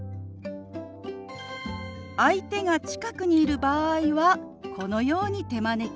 相手が近くにいる場合はこのように手招き。